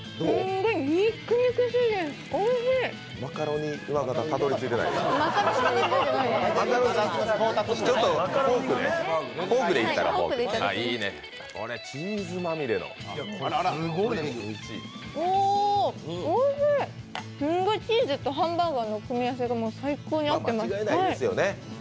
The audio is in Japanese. おお、おいしい、すごいチーズとハンバーガーの組み合わせが最高に合ってます。